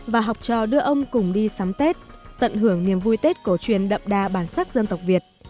và học trò đưa ông cùng đi sắm tết tận hưởng niềm vui tết cổ truyền đậm đà bản sắc dân tộc việt